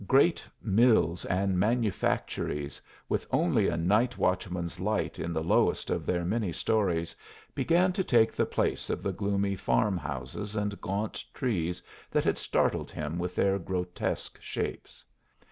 Great mills and manufactories, with only a night watchman's light in the lowest of their many stories, began to take the place of the gloomy farm houses and gaunt trees that had startled him with their grotesque shapes.